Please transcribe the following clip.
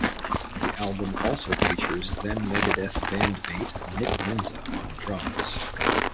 The album also features then-Megadeth bandmate Nick Menza on drums.